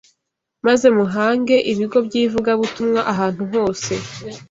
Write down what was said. maze muhange ibigo by’ivugabutumwa ahantu hose